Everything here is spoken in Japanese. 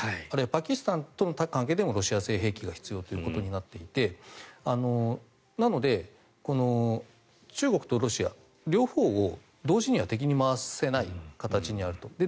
あるいはパキスタンとの関係でもロシア製兵器が必要となっていてなので、中国とロシア両方を同時には敵に回せない形にあると。